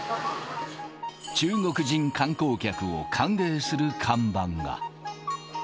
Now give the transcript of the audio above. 中国人観光客を歓迎する看板が。